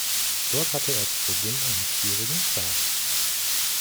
Dort hatte er zu Beginn einen schwierigen Start.